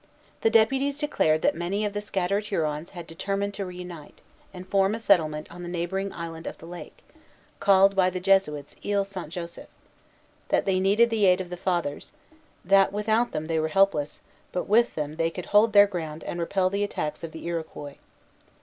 The deputies declared that many of the scattered Hurons had determined to reunite, and form a settlement on a neighboring island of the lake, called by the Jesuits Isle St. Joseph; that they needed the aid of the Fathers; that without them they were helpless, but with them they could hold their ground and repel the attacks of the Iroquois.